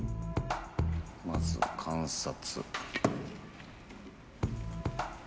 まずは観察。